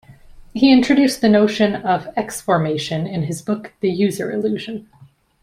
He introduced the notion of exformation in his book The User Illusion.